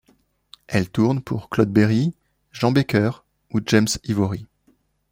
Elle tourne pour Claude Berri, Jean Becker ou James Ivory.